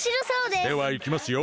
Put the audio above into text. ではいきますよ！